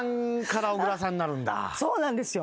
そうなんですよ。